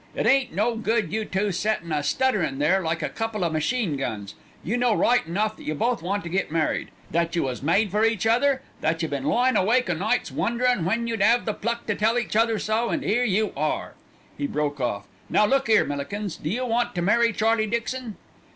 "It ain't no good you two settin' a stutterin' there like a couple of machine guns; you know right enough that you both want to get married, that you was made for each other, that you been lying awake o' nights wonderin' when you'd 'ave the pluck to tell each other so, and 'ere you are " He broke off. "Now look 'ere, Millikins, do you want to marry Charlie Dixon?"